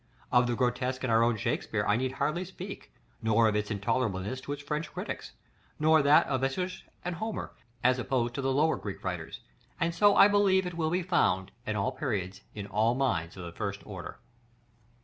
Of the grotesque in our own Shakspeare I need hardly speak, nor of its intolerableness to his French critics; nor of that of Æschylus and Homer, as opposed to the lower Greek writers; and so I believe it will be found, at all periods, in all minds of the first order.